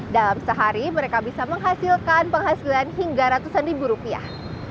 dalam sehari mereka bisa menghasilkan penghasilan hingga ratusan ribu rupiah